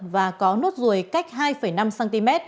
và có nốt ruồi cách hai năm cm